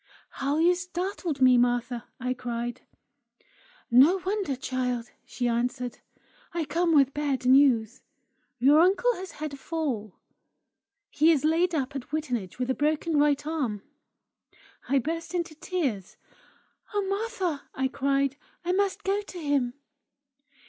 "How you startled me, Martha!" I cried. "No wonder, child!" she answered. "I come with bad news! Your uncle has had a fall. He is laid up at Wittenage with a broken right arm." I burst into tears. "Oh, Martha!" I cried; "I must go to him!"